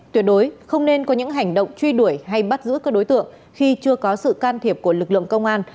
tuyệt đối không nên có những hành động truy đuổi hay bắt giữ các đối tượng khi chưa có sự can thiệp của lực lượng công an